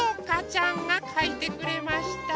ちゃんがかいてくれました。